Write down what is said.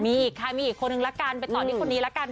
มีอีกค่ะมีอีกคนนึงละกันไปต่อที่คนนี้ละกัน